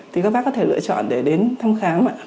thì các bác có thể lựa chọn để đến thăm khám